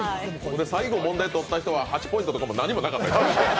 最後問題とった人は８ポイントとか何もなかった。